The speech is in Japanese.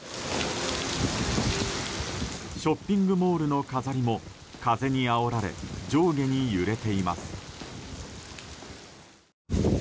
ショッピングモールの飾りも風にあおられ上下に揺れています。